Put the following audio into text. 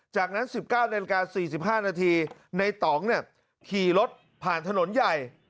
จากนั้น๑๙นาฬิกา๔๕นาทีในต่องขี่รถผ่านถนนใหญ่